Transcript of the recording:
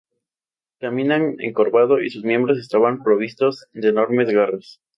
Caminaba encorvado y sus miembros estaban provistos de enormes garras.